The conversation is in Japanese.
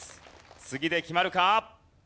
次で決まるか？